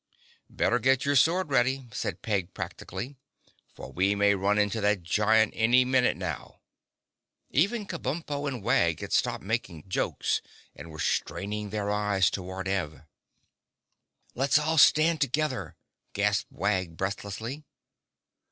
"Better get your sword ready," said Peg practically, "for we may run into that giant any minute now." Even Kabumpo and Wag had stopped making jokes and were straining their eyes toward Ev. "Let's all stand together!" gasped Wag breathlessly.